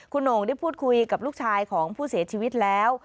คุณโหน่งได้พูดคุยกับลูกชายของผู้เสียชีวิตแล้ว